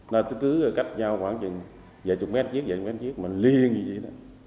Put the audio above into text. nó cứ cách nhau khoảng chừng vài chục mét chiếc vài chục mét chiếc mà liên như vậy đó